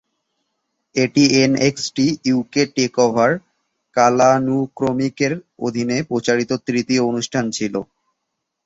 এটি NXT UK takeover কালানুক্রমিকের অধীনে প্রচারিত তৃতীয় অনুষ্ঠান ছিল।